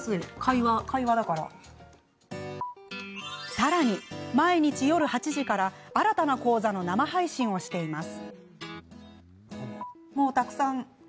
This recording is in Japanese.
さらに毎日夜８時から新たな講座の生配信をしています。